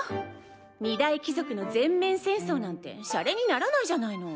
二大貴族の全面戦争なんてシャレにならないじゃないの。